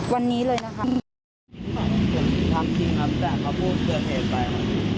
วันนี้เลยนะคะ